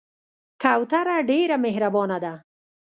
کوتره ډېر مهربانه ده.